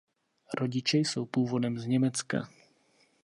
Rodiče jsou původem z Německa.